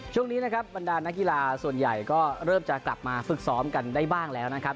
ช่วงนี้นะครับบรรดานักกีฬาส่วนใหญ่ก็เริ่มจะกลับมาฝึกซ้อมกันได้บ้างแล้วนะครับ